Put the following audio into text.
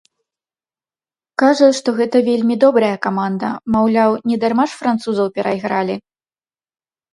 Кажа, што гэта вельмі добрая каманда, маўляў, не дарма ж французаў перайгралі.